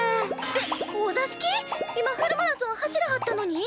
今フルマラソン走りはったのに！？